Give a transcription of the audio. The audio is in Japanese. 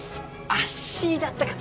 あっＣだったか。